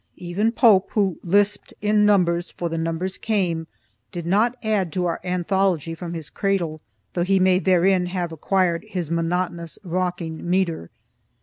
Even Pope who "lisped in numbers for the numbers came," did not add to our Anthology from his cradle, though he may therein have acquired his monotonous rocking metre.